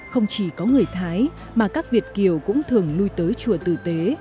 không chỉ có người thái mà các việt kiều cũng thường lui tới chùa tử tế